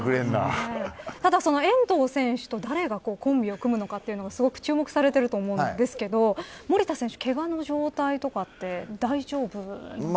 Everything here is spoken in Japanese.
ただ、遠藤選手と誰がコンビを組むのかすごく注目されていると思うんですけど守田選手、けがの状態って大丈夫なんですか。